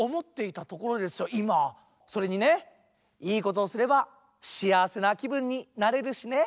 それにねいいことをすれば幸せなきぶんになれるしね。